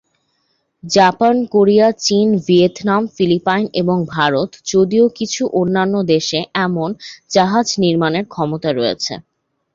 Japan, Korea, চীন, Vietnam, Philippines এবং ভারত, যদিও কিছু অন্যান্য দেশে এমন জাহাজ নির্মাণের ক্ষমতা রয়েছে।